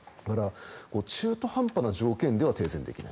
中途半端な条件では停戦できない。